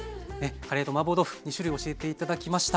カレーとマーボー豆腐２種類教えて頂きました。